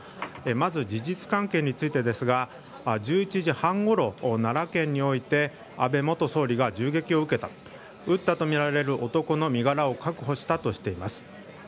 まず、事実関係についてですが１１時半ごろ奈良県において安倍元総理が銃撃を受けた撃ったとみられる男の身柄を確保したとしています。